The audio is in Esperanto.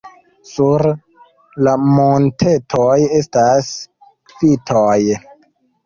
Sur la montetoj estas vitoj.